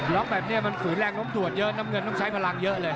แบบนี้มันฝืนแรงล้มตรวจเยอะน้ำเงินต้องใช้พลังเยอะเลย